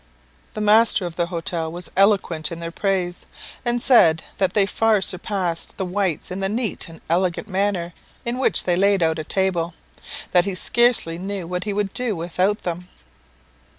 The master of the hotel was eloquent in their praise, and said that they far surpassed the whites in the neat and elegant manner in which they laid out a table, that he scarcely knew what he would do without them.